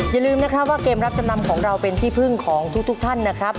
อย่าลืมนะครับว่าเกมรับจำนำของเราเป็นที่พึ่งของทุกท่านนะครับ